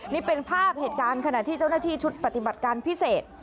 นี่เป็นภาพเหตุการณ์ขณะที่เจ้าหน้าที่ชุดปฏิบัติการพิเศษ